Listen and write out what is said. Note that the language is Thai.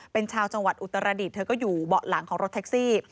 เป็นชาวจังหวัดอุตรดิษฐ์เธอก็อยู่เบาะหลังของรถแท็กซี่